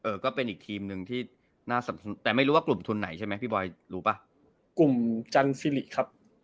อยู่ก็เป็นอีกทีมหนึ่งที่น่าสำคัญไปไม่รู้ว่ากลุ่มทุนไหนใช่ไหมพี่บอทรู้แล้วก็หรือครับ